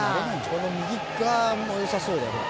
この右側も良さそうだよほら。